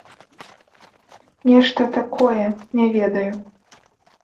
Нешта такое, не ведаю.